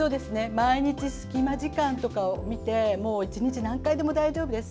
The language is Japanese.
毎日、隙間時間とかを見て１日に何回でも大丈夫です。